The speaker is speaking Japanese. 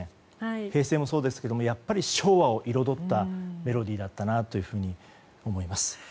平成もそうですがやっぱり昭和を彩ったメロディーだったなというふうに思います。